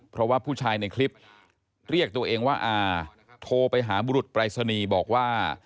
เพราะว่าผู้ชายในคลิปเรียกตัวเองว่าอาโทรไปหาบุรุษปรายศนีย์บอกว่า